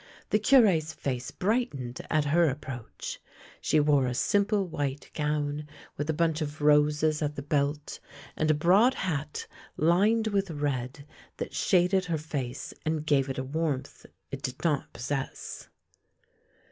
The Cure's face brightened at her approach. She wore a simple white gown with a bunch of roses at the belt, and a broad hat lined with red that shaded her face and gave it a warmth it did not possess.